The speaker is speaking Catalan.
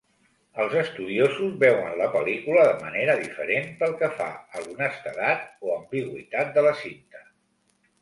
Els estudiosos veuen la pel·lícula de manera diferent pel que fa a l'honestedat o ambigüitat de la cinta.